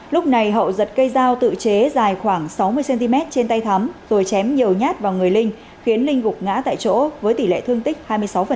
lúc này hậu giật cây dao tự chế dài khoảng sáu mươi cm trên tay thắm rồi chém nhiều nhát vào người linh khiến linh gục ngã tại chỗ với tỷ lệ thương tích hai mươi sáu